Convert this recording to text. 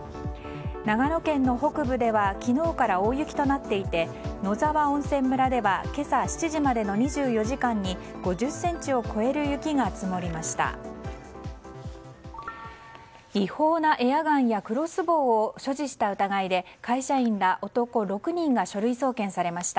長野県の北部では昨日から大雪となっていて野沢温泉村では今朝７時までの２４時間に５０ｃｍを超える雪が積もりました。